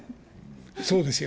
そうですよ。